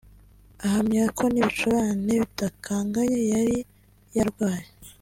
ahamya ko n’ibicurane bidakanganye yari yarwaye